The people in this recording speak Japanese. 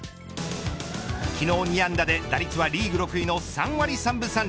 昨日２安打で打率はリーグ６位の３割３分３厘。